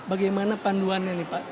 bagaimana panduannya nih pak